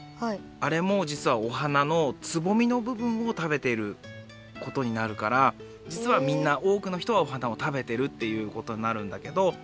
あれもじつはお花のつぼみの部分を食べていることになるからじつはみんなおおくのひとはお花を食べてるっていうことになるんだけど。